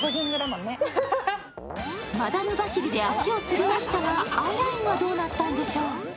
マダム走りで、足をつりましたがアイラインはどうなったんでしょう？